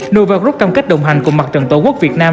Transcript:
nova group cam kết đồng hành cùng mặt trận tổ quốc việt nam